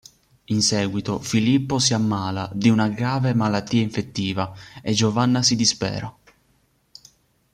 In seguito Filippo si ammala di una grave malattia infettiva e Giovanna si dispera.